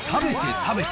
食べて！